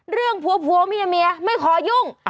เรื่องผัวเมียเมียไม่ขอยุ่ง